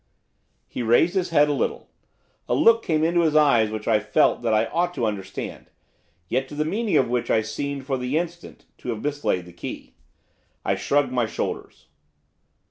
He raised his head a little. A look came into his eyes which I felt that I ought to understand, yet to the meaning of which I seemed, for the instant, to have mislaid the key. I shrugged my shoulders.